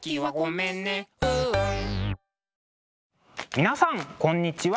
皆さんこんにちは。